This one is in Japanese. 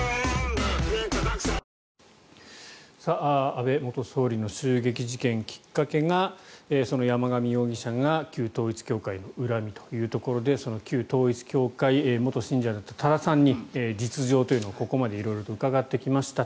安倍元総理の襲撃事件きっかけがその山上容疑者が旧統一教会の恨みというところで旧統一教会の元信者だった多田さんに実情というのをここまで色々と伺ってきました。